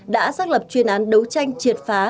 đã xác lập chuyên án đấu tranh triệt phá